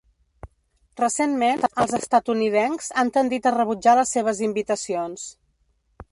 Recentment, els estatunidencs han tendit a rebutjar les seves invitacions.